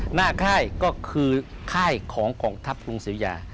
ค่ายก็คือค่ายของกองทัพกรุงศิริยา